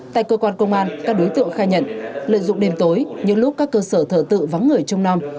tại cơ quan công an các đối tượng khai nhận lợi dụng đêm tối những lúc các cơ sở thờ tự vắng người trong năm